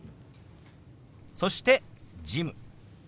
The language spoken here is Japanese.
そして「事務」。